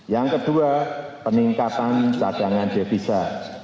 yang kedua peningkatan cadangan devisa